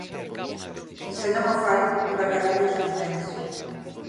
Se non o fai, embargaranlle os seus bens.